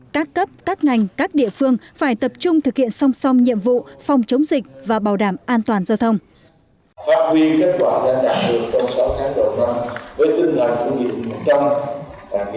các cấp các ngành các địa phương phải tập trung thực hiện đại hội đảng bộ các cấp các ngành các địa phương phải tập trung thực hiện đại hội đảng bộ các cấp